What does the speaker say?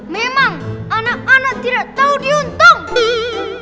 memang anak anak tidak tau diutuhnya ya